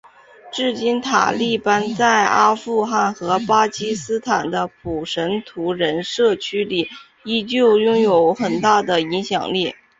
至今塔利班在阿富汗和巴基斯坦的普什图人社区里依旧拥有很强大的影响力。